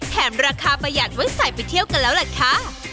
ราคาประหยัดไว้ใส่ไปเที่ยวกันแล้วล่ะค่ะ